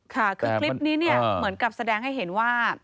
ค่ะคือคลิปนี้เนี่ยเหมือนกับแสดงให้เห็นว่า